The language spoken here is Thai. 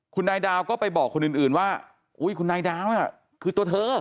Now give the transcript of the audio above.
คุณนายดาวก็ไปบอกคนอื่นว่าอุ้ยคุณนายดาวน่ะคือตัวเธอ